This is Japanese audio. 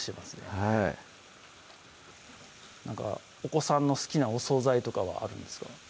はいお子さんの好きなお総菜とかはあるんですか？